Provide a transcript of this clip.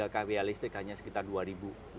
satu tiga kwh listrik hanya sekitar rp dua dua ratus